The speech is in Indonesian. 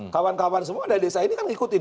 kawan kawan semua dari desa ini kan ngikutin